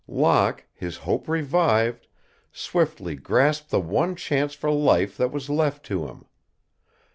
Locke, his hope revived, swiftly grasped the one chance for life that was left to him.